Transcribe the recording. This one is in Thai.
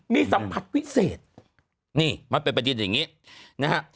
มีสัมผัสพิเศษนี่มันเป็นประเด็นอย่างนี้นะฮะ